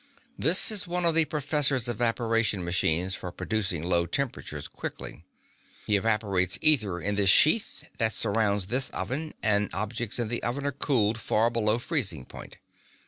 This is one of the professor's evaporation machines for producing low temperatures quickly. He evaporates ether in this sheath that surrounds this oven and objects in the oven are cooled far below freezing point.